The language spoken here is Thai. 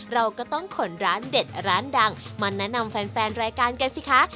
เราก็ต้องขนร้านเด็ดร้านดังมาแนะนำแฟนรายการกันสิคะ